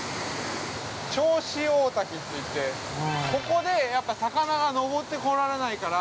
銚子大滝といってここで、やっぱり魚が上ってこられないから。